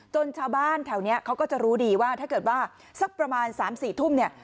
ชาวบ้านแถวนี้เขาก็จะรู้ดีว่าถ้าเกิดว่าสักประมาณ๓๔ทุ่มเนี่ย